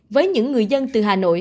với những người dân từ hà nội